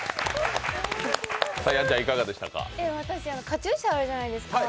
カチューシャあるじゃないですか。